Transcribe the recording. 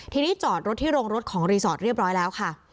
ทีนี้จอดรถที่โรงรถของรีสอร์ทเรียบร้อยแล้วค่ะ